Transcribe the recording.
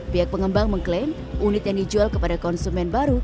pihak pengembang mengklaim unit yang dijual kepada konsumen baru